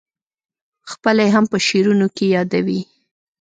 خپله یې هم په شعرونو کې یادوې.